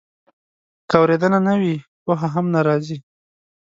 که اورېدنه نه وي، پوهه هم نه راځي.